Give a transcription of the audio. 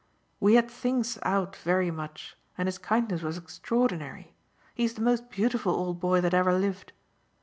"We had things out very much and his kindness was extraordinary he's the most beautiful old boy that ever lived.